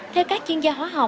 theo các chuyên gia hóa học